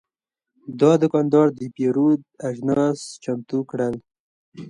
دا دوکاندار د پیرود اجناس چمتو کړل.